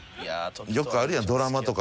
よくあるやん。